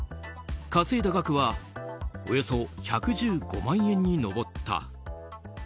稼いだ額はおよそ１１５万円に上った。